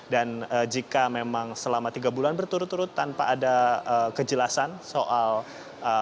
dan jika memang selama tiga bulan berturut turut tanpa ada kejelasan soal kehadiran anggota dewan tersebut